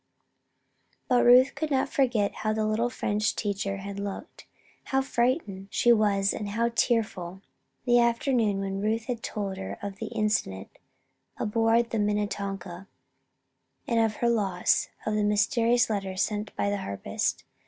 But Ruth could not forget how the little French teacher had looked how frightened she was and how tearful the afternoon when Ruth had told her of the incident aboard the Minnetonka, and of her loss of the mysterious letter sent by the harpist.